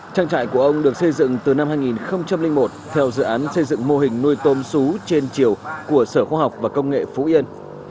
trang trại của ông được xây dựng từ năm hai nghìn một theo dự án xây dựng mô hình nuôi tôm xú trên chiều của sở khoa học và công nghệ phú yên